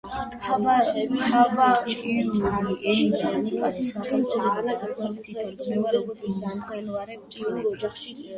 ჰავაიური ენიდან ვულკანის სახელწოდება დაახლოებით ითარგმნება როგორც „მღელვარე წყლები“.